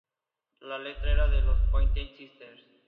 La letra era de los Pointer Sisters.